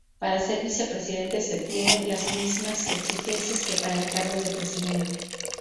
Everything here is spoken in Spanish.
Para ser vicepresidente se tienen las mismas exigencias que para el cargo de presidente.